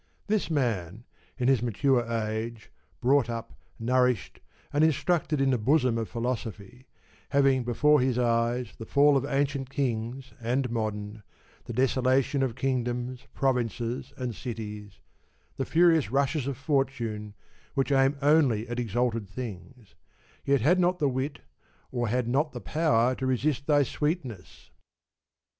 this man, in his mature age, brought up, nourished, and in structed in the bosom of Philosophy, having before his 30 eyes the fall of ancient kings and modern, the desolation of kingdoms, provinces and cities, the furious rushes of fortune which aim only at exalted things, yet had not the wit or had not the power to resist thy sweetness